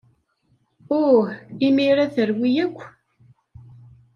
Uh, imir-a terwi akk...